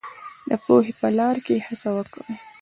د پوهې په لار کې هڅه وکړئ.